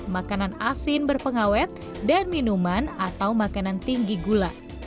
makanan asin berpengawet dan minuman atau makanan tinggi gula